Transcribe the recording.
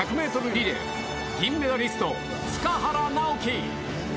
リレー銀メダリスト、塚原直貴。